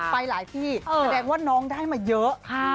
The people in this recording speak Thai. ไปหลายที่แสดงว่าน้องได้มาเยอะ